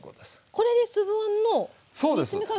これで粒あんの煮詰め加減。